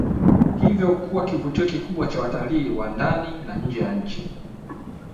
Hivyo kuwa kivutio kikubwa kwa watalii wa ndani na nje ya nchi